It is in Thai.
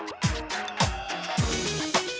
บอส